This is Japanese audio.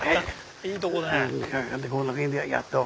いいとこだな。